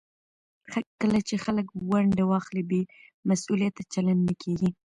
کله چې خلک ونډه واخلي، بې مسوولیته چلند نه کېږي.